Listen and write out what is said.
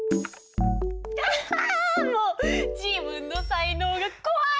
アッハもう自分の才能が怖い！